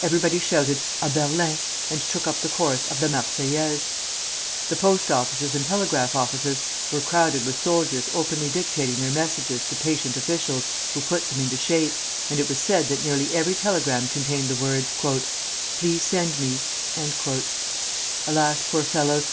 Everybody shouted "A Berlin," and took up the chorus of the "Marseillaise." The post offices and telegraph offices were crowded with soldiers openly dictating their messages to patient officials who put them into shape, and it was said that nearly every telegram contained the words, "Please send me..." Alas, poor fellows!